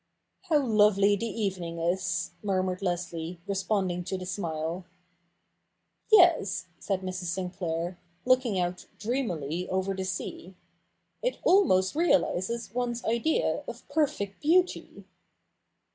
' How lovely the evening is !' murmured Leslie, re sponding to the smile. 'Yes,' said Mrs. Sinclair, looking out dreamily over the sea, ' it almost realises one's idea of perfect beauty.'